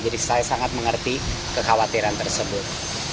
jadi saya sangat mengerti kekhawatiran tersebut